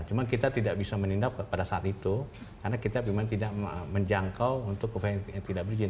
cuma kita tidak bisa menindak pada saat itu karena kita memang tidak menjangkau untuk upaya yang tidak berizin